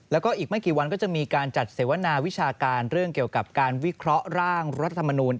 แล้วก็อีกไม่กี่วันก็จะมีการจัดเสวนาวิชาการเรื่องเกี่ยวกับการวิเคราะห์ร่างรัฐธรรมนูล